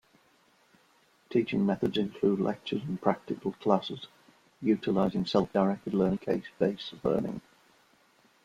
Teaching methods include lectures and practical classes, utilising self-directed learning and case-based learning.